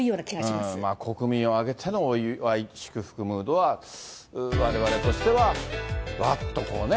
まあ国民を挙げてのお祝い、祝福ムードは、われわれとしては、わっとこうね、